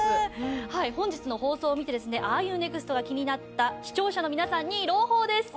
本日の放送を見てですね『ＲＵＮｅｘｔ？』が気になった視聴者の皆さんに朗報です！